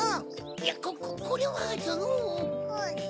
いやこれはその。